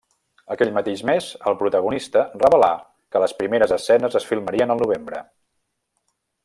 Aquell mateix mes el protagonista revelà que les primeres escenes es filmarien al novembre.